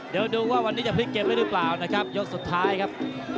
เดี๋ยวดูว่าวันนี้จะพลิกเกมด้วยหรือเปล่านะครับยกสุดท้ายครับ